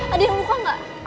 ada yang lupa gak